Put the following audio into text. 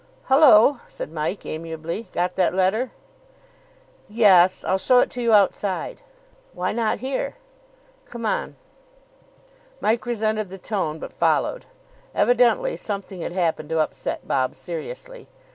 "Hullo," said Mike amiably. "Got that letter?" "Yes. I'll show it you outside." "Why not here?" "Come on." Mike resented the tone, but followed. Evidently something had happened to upset Bob seriously.